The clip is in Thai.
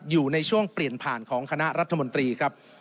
อยู่ในช่วงเปลี่ยนผ่านของคณะรัฐมนตรีครับ